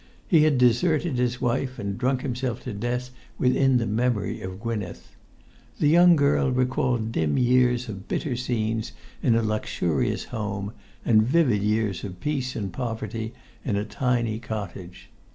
He had deserted his wife and drunk himself to death within the memory of Gwynneth. The young girl recalled dim years of bitter scenes in a luxurious home, and vivid years of peace and poverty in a tiny cottage.